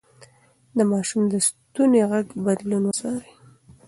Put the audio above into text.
د ماشوم د ستوني غږ بدلون وڅارئ.